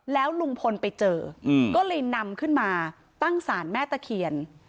แล้วลุงพลไปเจอก็เลยนำขึ้นมาตั้งสารแม่ตะเคียน